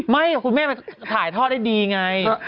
ไม่คุณแม่ถ่ายทอดได้ดีไง